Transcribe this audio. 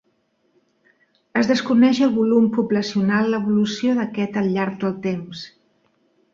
Es desconeix el volum poblacional l'evolució d'aquest al llarg del temps.